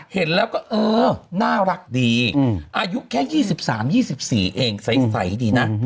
เห็นแล้วก็เออน่ารักดีอายุแค่๒๓๒๔เองใสดีนะ